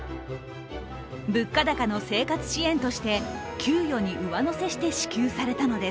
物価高の生活支援として給与に上乗せして支給されたのです。